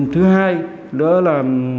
thứ hai là